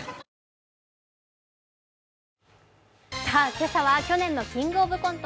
今朝は去年の「キングオブコント」